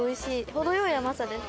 程良い甘さです。